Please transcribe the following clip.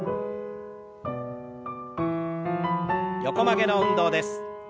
横曲げの運動です。